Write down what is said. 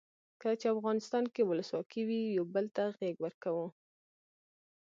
کله چې افغانستان کې ولسواکي وي یو بل ته غیږ ورکوو.